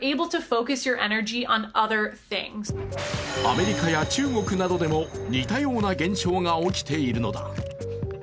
アメリカや中国などでも似たような現象が起きているのだ。